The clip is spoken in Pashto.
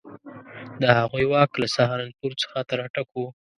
د هغوی واک له سهارنپور څخه تر اټک وو.